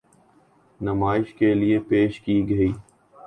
نمائش کے لیے پیش کی گئی۔